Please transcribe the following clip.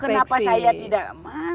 kenapa saya tidak